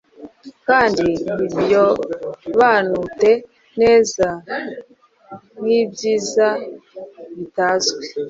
Kandi, ntibiobanute neza, nkibyiza bitazwi